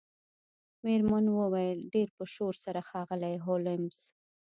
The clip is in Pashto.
میرمن وویل ډیر په شور سره ښاغلی هولمز